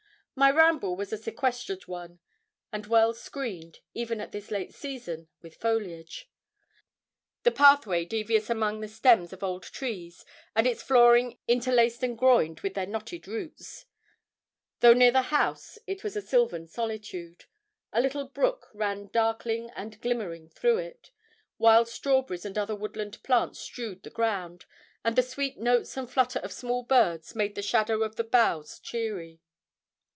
My ramble was a sequestered one, and well screened, even at this late season, with foliage; the pathway devious among the stems of old trees, and its flooring interlaced and groined with their knotted roots. Though near the house, it was a sylvan solitude; a little brook ran darkling and glimmering through it, wild strawberries and other woodland plants strewed the ground, and the sweet notes and flutter of small birds made the shadow of the boughs cheery.